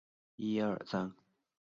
我们没有许多知识和技术